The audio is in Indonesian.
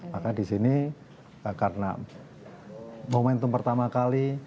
maka di sini karena momentum pertama kali